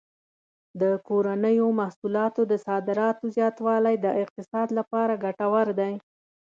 د کورنیو محصولاتو د صادراتو زیاتوالی د اقتصاد لپاره ګټور دی.